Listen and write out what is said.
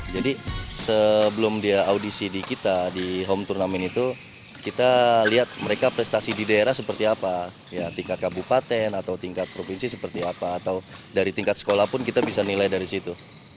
jadi sebelum dia audisi di kita di home turnamen itu kita lihat mereka prestasi di daerah seperti apa tingkat kabupaten atau tingkat provinsi seperti apa atau dari tingkat sekolah pun kita bisa nilai dari situ